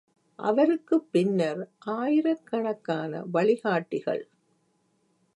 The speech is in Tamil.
அவருக்குப் பின்னர் ஆயிரக்கணக்கான வழிகாட்டிகள்!